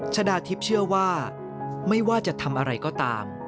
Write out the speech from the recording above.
ชนะทิพย์เชื่อว่าไม่ว่าจะทำอะไรก็ตาม